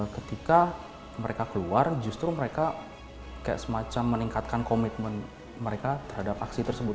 ketika mereka keluar justru mereka kayak semacam meningkatkan komitmen mereka terhadap aksi tersebut